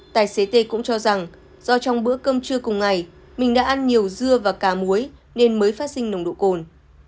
tài xế t cũng cho rằng do trong bữa cơm trưa cùng ngày mình đã ăn nhiều dưa và cà muối nên mới phát sinh nồng độ cồn